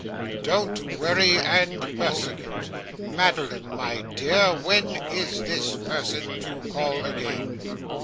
Don't worry and persecute. Madeline, my dear, when is this person to call again?